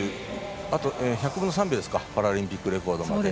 あと１００分の３秒ですかパラリンピックレコードまで。